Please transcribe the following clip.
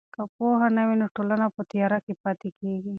که پوهه نه وي نو ټولنه په تیاره کې پاتې کیږي.